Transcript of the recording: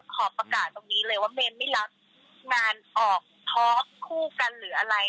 ขอประกาศตรงนี้เลยว่าเมย์ไม่รับงานออกท็อกคู่กันหรืออะไร